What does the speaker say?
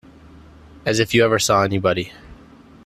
As if you ever saw anybody!